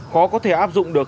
khó có thể áp dụng được